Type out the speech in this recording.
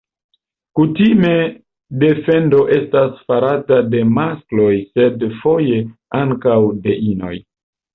Kutime defendo estas farata de maskloj sed foje ankaŭ de inoj.